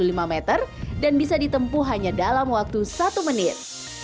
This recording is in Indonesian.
yang lintasan enam ratus dua puluh lima meter dan bisa ditempuh hanya dalam waktu satu menit